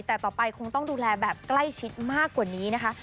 แต่ต่อไปคงต้องดูแลแบบใกล้ชิดมากกว่านี้นะคะ